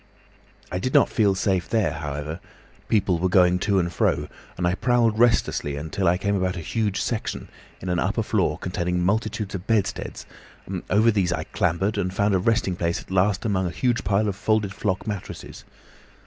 "I did not feel safe there, however; people were going to and fro, and I prowled restlessly about until I came upon a huge section in an upper floor containing multitudes of bedsteads, and over these I clambered, and found a resting place at last among a huge pile of folded flock mattresses.